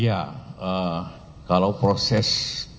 ya kalau proses